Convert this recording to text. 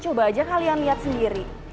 coba aja kalian lihat sendiri